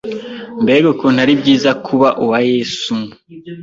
Mbega ukuntu ari byiza kuba uwa Yesu!